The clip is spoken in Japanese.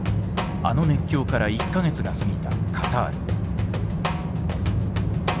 あの熱狂から１か月が過ぎたカタール。